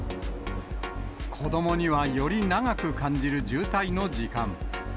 子どもには、より長く感じる渋滞の時間。